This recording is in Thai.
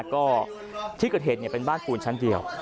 ก็ที่เกิดเหตุเป็นบ้านปูนชั้นเดียว